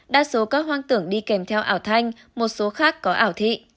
đa số các hoang tưởng đi kèm theo ảo thanh một số khác có ảo thị